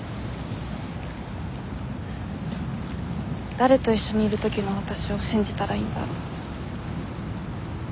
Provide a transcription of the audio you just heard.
誰と一緒にいる時のわたしを信じたらいいんだろ。